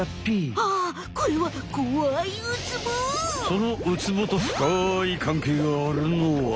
そのウツボとふかい関係があるのは？